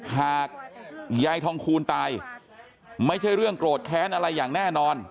หากยายทองคูณตายไม่ใช่เรื่องโกรธแค้นอะไรอย่างแน่นอน